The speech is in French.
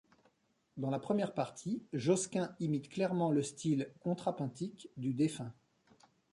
Dans la première partie, Josquin imite clairement le style contrapuntique du défunt.